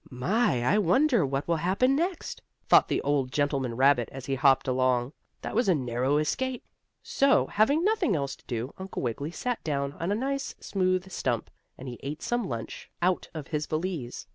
"My! I wonder what will happen next?" thought the old gentleman rabbit, as he hopped along. "That was a narrow escape." So, having nothing else to do, Uncle Wiggily sat down on a nice, smooth stump, and he ate some lunch out of his valise.